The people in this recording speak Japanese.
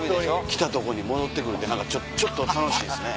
来たとこに戻って来るって何かちょっと楽しいですね。